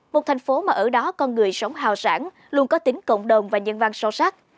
một thành phố mà ở đó con người sống hào sản luôn có tính cộng đồng và nhân văn sâu sắc